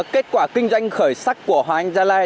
kết quả kinh doanh khởi sắc của hoàng anh gia lai